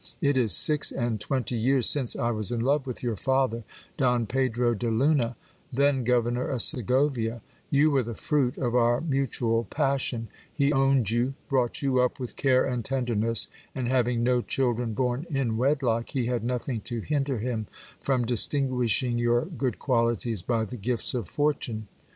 It is six and twenty years since I was in love with your father, Don Pedro de Luna, then governor of Segovia ; you were the fruit of our mutual passion : he owned you, brought you up with care and tender ness, and having no children born in wedlock, he had nothing to hinder him from distinguishing your good qualities by the gifts of fortune.